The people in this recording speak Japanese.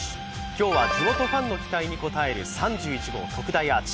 今日は地元ファンの期待に応える３１号特大アーチ。